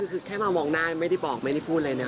คือแค่มามองหน้าไม่ได้บอกไม่ได้พูดอะไรนะ